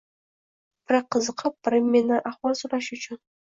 Biri qiziqib, biri mendan ahvol so‘rash uchun.